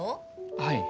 はい。